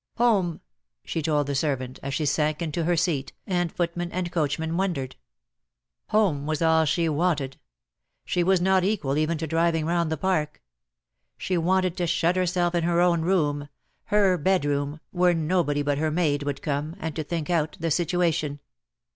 "Home," she told the servant, as she sank into her seat, and footman and coachman wondered. Home was all she wanted. She was not equal even to driving round the Park. She wanted to shut herself in her own room; her bedroom, where nobody but her maid would come; and to think out the situation.